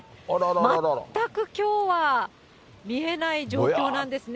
全くきょうは見えない状況なんですね。